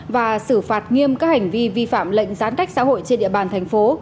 và xử phạt nghiêm các hành vi vi phạm lệnh giãn cách xã hội trên địa bàn thành phố